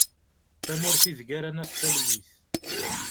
Tamurt i deg ara naf talwit.